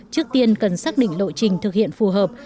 trước tiên cần xác định lộ trình thực hiện phù hợp